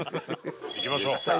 行きましょう。